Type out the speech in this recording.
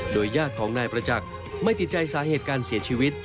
ญาติของนายประจักษ์ไม่ติดใจสาเหตุการเสียชีวิต